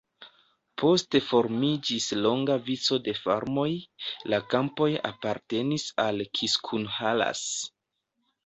Poste formiĝis longa vico de farmoj, la kampoj apartenis al Kiskunhalas.